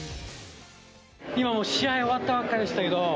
今もう、試合終わったばっかでしたけど。